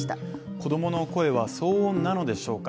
子供の声は騒音なのでしょうか？